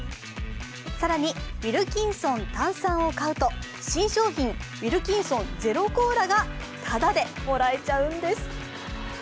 更にウィルキンソンタンサンを買うと、新商品、ウィルキンソンゼロコーラがただでもらえちゃうんです。